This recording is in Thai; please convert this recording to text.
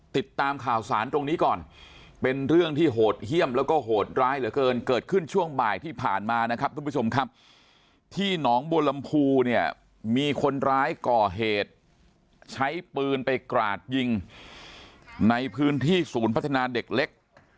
ติดตามข่าวสารตรงนี้ก่อนเป็นเรื่องที่โหดเยี่ยมแล้วก็โหดร้ายเหลือเกินเกิดขึ้นช่วงบ่ายที่ผ่านมานะครับทุกผู้ชมครับที่หนองบัวลำพูเนี่ยมีคนร้ายก่อเหตุใช้ปืนไปกราดยิงในพื้นที่ศูนย์พัฒนาเด็กเล็ก